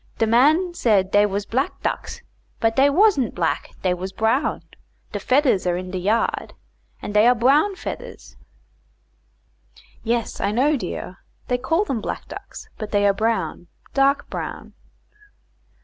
De man said dey was black ducks, but dey was'nt black, dey was brown. De fedders are in de yard, and dey are brown fedders." "Yes, I know, dear; they call them black ducks, but they are brown dark brown."